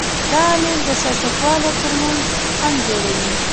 دا عامل د سیاستوالو تر منځ خنډ جوړوي.